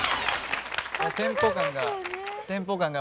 テンポ感が。